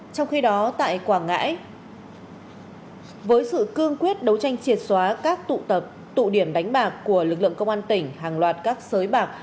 trong khi đó tại quảng ngãi với sự cương quyết đấu tranh triệt xóa các tụ tập tụ điểm đánh bạc của lực lượng công an tỉnh hàng loạt các sới bạc